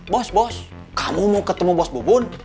bos bos kamu mau ketemu bos bubun